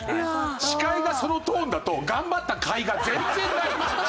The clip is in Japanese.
司会がそのトーンだと頑張ったかいが全然ない。